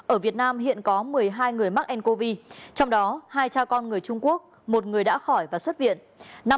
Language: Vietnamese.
ở việt nam hiện có một mươi hai người mắc ncov trong đó hai cha con người trung quốc một người đã khỏi và xuất viện